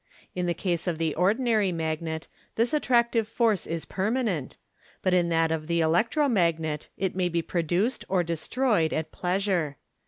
In the case of the ordinary magnet this attractive force is permanent, but in that of the electro magnet it may be produced or destroyed at pleasure.